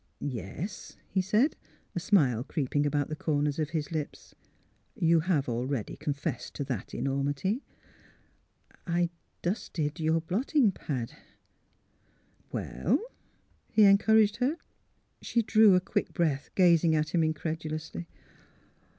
''" Yes," he said, a smile creeping about the corners of his lips. " You have already con fessed to that enormity." " I — I dusted your — blotting pad." '' Well? " he encouraged her. She drew a quick breath, gazing at him in credulously.